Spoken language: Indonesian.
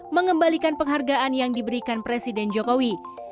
mengembalikan penghargaan yang diberikan presiden joko widodo